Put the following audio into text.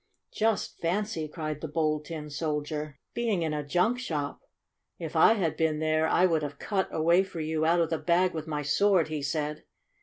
"Just fancy!" cried the Bold Tin Sol 112 STORY OF A SAWDUST DOLL dier. "Being in a junk shop! If I had been there I would have cut a way for you out of the bag with my sword !" he said.